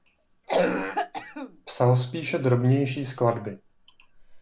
Psal spíše drobnější skladby.